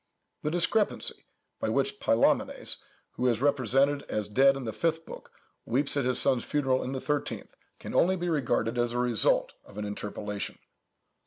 The discrepancy, by which Pylæmenes, who is represented as dead in the fifth book, weeps at his son's funeral in the thirteenth, can only be regarded as the result of an interpolation.